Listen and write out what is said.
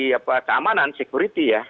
jadi bukan hanya fungsi fungsi keamanan security ya